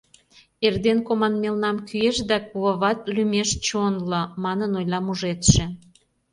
Эрден команмелнам кӱэшт да кувават лӱмеш чонло, — манын ойла мужедше.